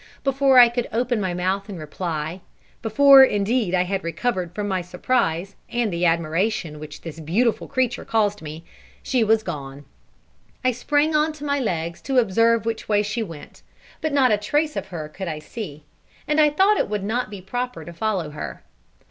Before I could open my mouth in reply before, indeed, I had recovered from my surprise, and the admiration which this beautiful creature caused me, she was gone. I sprang on to my legs to observe which way she went, but not a trace of her could I see, and I thought it would not be proper to follow her.